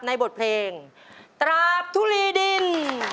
ในบทเพลงตราบทุลีดิน